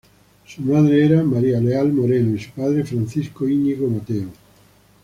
Su madre era María Leal Moreno y su padre Francisco Íñigo Mateo.